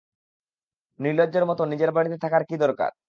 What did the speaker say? নির্লজ্জের মতো নিজের বাড়িতে থাকার কী দরকার?